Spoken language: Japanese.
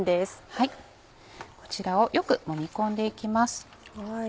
こちらをよくもみ込んでいきます。